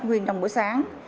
nguyên trong buổi sáng